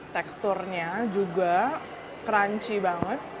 teksturnya juga crunchy banget